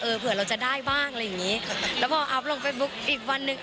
เผื่อเราจะได้บ้างอะไรอย่างงี้แล้วพออัพลงเฟซบุ๊กอีกวันหนึ่ง